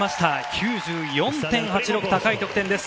９４．８６高い得点です。